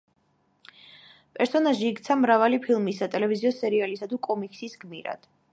პერსონაჟი იქცა მრავალი ფილმის, სატელევიზიო სერიალისა თუ კომიქსის გმირად.